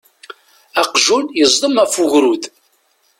Aqjun yeẓdem af ugrud.